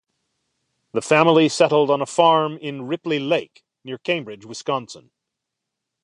The family settled on a farm in Ripley Lake near Cambridge, Wisconsin.